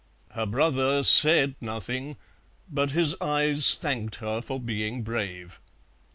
Her brother said nothing, but his eyes thanked her for being brave.